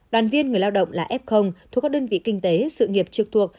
đoàn viên người lao động là f thuộc các đơn vị kinh tế sự nghiệp trực thuộc